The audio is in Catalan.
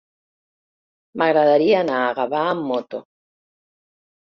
M'agradaria anar a Gavà amb moto.